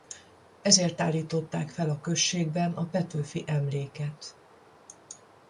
Ezért állították fel a községben a Petőfi-emléket.